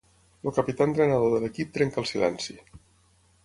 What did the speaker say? El capità-entrenador de l'equip trenca el silenci.